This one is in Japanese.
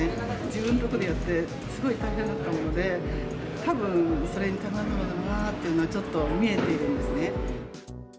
自分とこでやって、すごい大変だったもので、たぶん、それにいかないだろうなってちょっと、見えているんですね。